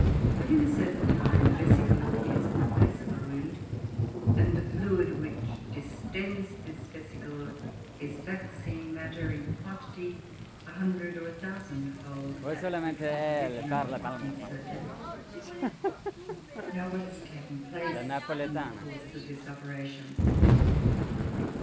Within a certain time a vesicle appears in the place of the wound, and the fluid which distends this vesicle is vaccine matter, in quantity a hundred or a thousandfold that which was originally inserted. Now what has taken place in the course of this operation?